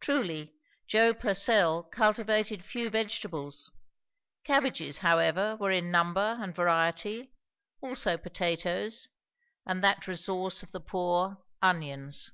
Truly, Joe Purcell cultivated few vegetables; cabbages however were in number and variety, also potatoes, and that resource of the poor, onions.